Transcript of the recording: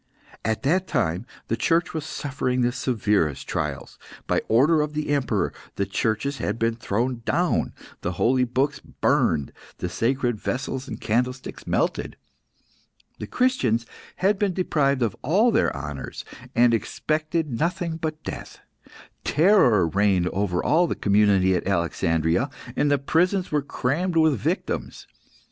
At that time the Church was suffering the severest trials. By order of the Emperor, the churches had been thrown down, the holy books burned, the sacred vessels and candlesticks melted. The Christians had been deprived of all their honours, and expected nothing but death. Terror reigned over all the community at Alexandria, and the prisons were crammed with victims.